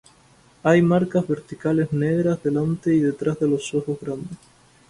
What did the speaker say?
Hay marcas verticales negras delante y detrás de los ojos grandes.